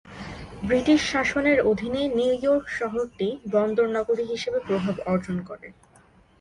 British শাসনের অধীনে New York শহরটি বন্দরনগরী হিসেবে প্রভাব অর্জন করে।